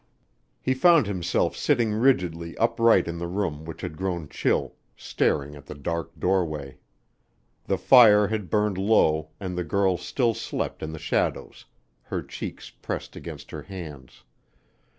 He found himself sitting rigidly upright in the room which had grown chill, staring at the dark doorway. The fire had burned low and the girl still slept in the shadows, her cheeks pressed against her hands.